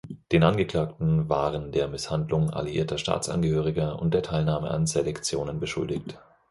Den Angeklagten waren der Misshandlung alliierter Staatsangehöriger und der Teilnahme an Selektionen beschuldigt.